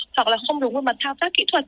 hoặc là không đúng với mặt thao tác kỹ thuật